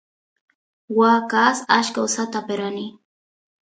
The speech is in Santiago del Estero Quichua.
waa kaas achka usata aperani